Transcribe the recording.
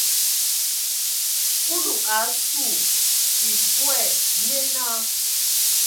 Kulu a su ekɔɛ, nye naa.